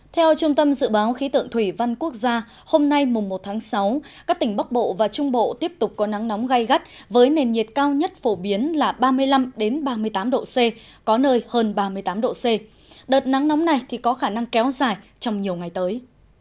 theo trung tâm dự báo khí tượng thủy văn quốc gia hôm nay mùng một tháng sáu các tỉnh bắc bộ và trung bộ tiếp tục có nắng nóng gai gắt với nền nhiệt cao nhất phổ biến là ba mươi năm ba mươi tám độ c có nơi hơn ba mươi tám độ c đợt nắng nóng này có khả năng kéo dài trong nhiều ngày tới